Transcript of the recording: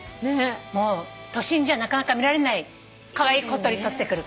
都心じゃなかなか見られないカワイイ小鳥撮ってくるから。